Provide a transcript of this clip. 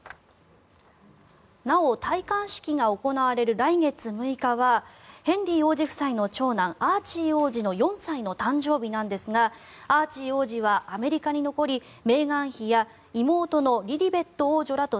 なお、戴冠式が行われる来月６日はヘンリー王子夫妻の長男アーチー王子の４歳の誕生日なんですがアーチー王子はアメリカに残りメーガン妃や妹のリリベット王女らと